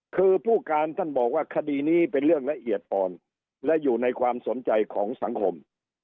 คือผู้การท่านบอกว่าคดีนี้เป็นเรื่องละเอียดอ่อนและอยู่ในความสนใจของสังคม